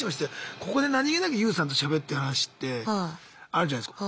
ここで何気なくＹＯＵさんとしゃべってる話ってあるじゃないすか。